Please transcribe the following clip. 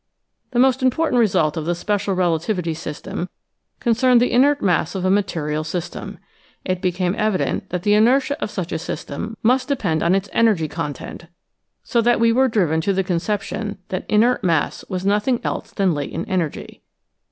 The most important result of the special relativity system concerned the inert mass of a material system. It became evident that the inertia of such a system must depend on its energy content, so that we were driven to the conception that inert mass was noth ing else than latent energy.